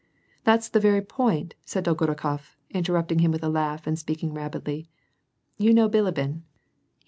" That's the very point," said Dolgorukof, interrupting him with a laugh, and speaking rapidly. " You know Bilibin — he's WAR AND PEACE.